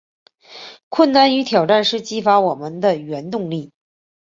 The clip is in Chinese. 困难与挑战是激发我们的原动力